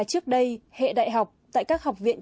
trước đây hệ đại học tại các học viện